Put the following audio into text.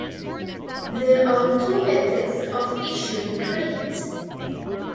There are two methods of issuing credit.